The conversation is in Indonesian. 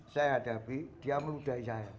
saya hadapi dia meludahi saya